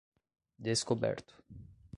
Descoberto